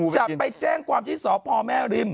จะไปแจ้งความที่สพแม่ริม